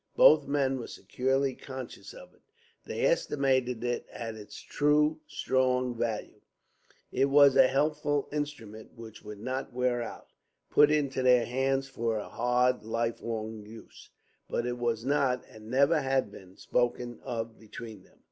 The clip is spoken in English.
Both men were securely conscious of it; they estimated it at its true, strong value; it was a helpful instrument, which would not wear out, put into their hands for a hard, lifelong use; but it was not, and never had been, spoken of between them.